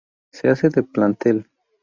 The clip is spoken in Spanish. Se hace de plantel.